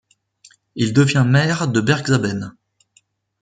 Il devient maire de Bergzabern.